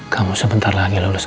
kamu sebentar lagi lulus s dua kan